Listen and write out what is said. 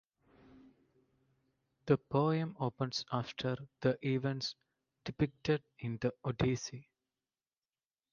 The poem opens after the events depicted in the Odyssey.